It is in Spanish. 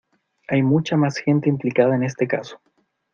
Hay mucha más gente implicada en este caso.